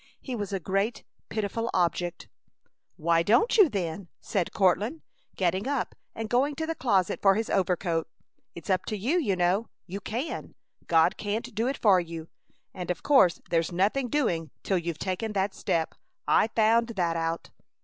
He was a great, pitiful object. "Why don't you, then?" said Courtland, getting up and going to the closet for his overcoat. "It's up to you, you know. You can! God can't do it for you, and of course there's nothing doing till you've taken that step. I found that out!"